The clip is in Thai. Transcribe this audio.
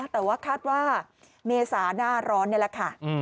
แต่ว่าคาดว่าเมษาหน้าร้อนนี่แหละค่ะ